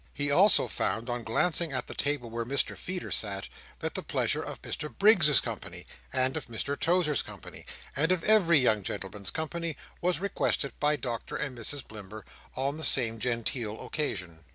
He also found, on glancing at the table where Mr Feeder sat, that the pleasure of Mr Briggs's company, and of Mr Tozer's company, and of every young gentleman's company, was requested by Doctor and Mrs Blimber on the same genteel Occasion.